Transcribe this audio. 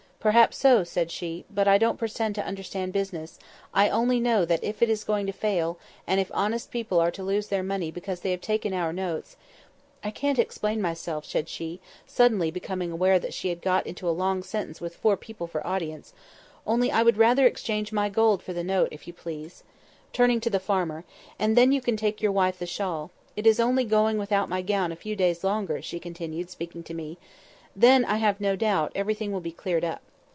"Perhaps so," said she. "But I don't pretend to understand business; I only know that if it is going to fail, and if honest people are to lose their money because they have taken our notes—I can't explain myself," said she, suddenly becoming aware that she had got into a long sentence with four people for audience; "only I would rather exchange my gold for the note, if you please," turning to the farmer, "and then you can take your wife the shawl. It is only going without my gown a few days longer," she continued, speaking to me. "Then, I have no doubt, everything will be cleared up."